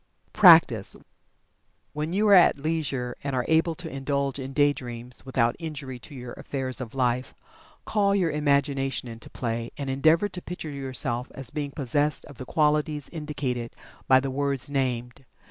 PRACTICE. When you are at leisure, and are able to indulge in "day dreams" without injury to your affairs of life, call your imagination into play and endeavor to picture yourself as being possessed of the qualities indicated by the words named.